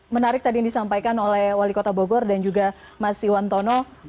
menarik tadi yang disampaikan oleh wali kota bogor dan juga mas iwan tono